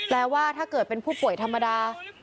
ว่าถ้าเกิดเป็นผู้ป่วยธรรมดา